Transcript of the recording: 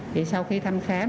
thì sau khi thăm khám